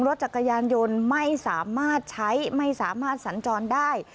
รถจักรยานยนต์ไม่สามารถใช้ไม่สามารถสัญจรได้